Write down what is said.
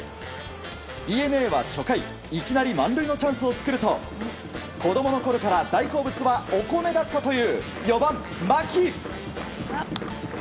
ＤｅＮＡは初回いきなり満塁のチャンスを作ると子供のころから大好物はお米だったという４番、牧。